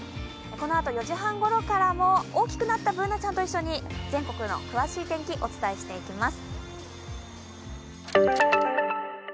このあと４時半ごろからも大きくなったＢｏｏｎａちゃんとともに全国の詳しい天気お伝えしていきます。